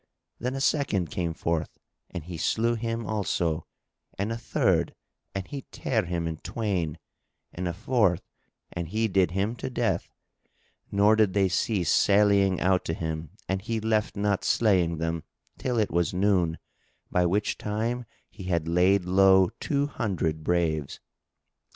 Then a second came forth and he slew him also, and a third and he tare him in twain, and a fourth and he did him to death; nor did they cease sallying out to him and he left not slaying them, till it was noon, by which time he had laid low two hundred braves.